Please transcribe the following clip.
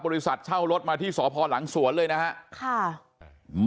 บริษัทเช่ารถมาที่สพหลังสวนเลยนะครับ